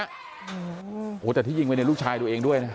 โอ้ยแต่ที่ยิงเป็นลูกชายดูเองด้วยน่ะ